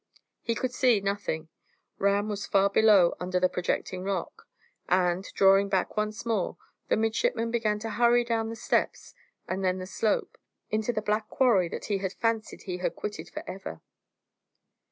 He could see nothing; Ram was far below under the projecting rock; and, drawing back once more, the midshipman began to hurry down the steps and then the slope, into the black quarry that he had fancied he had quitted for ever.